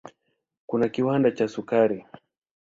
Kuna kiwanda cha sukari.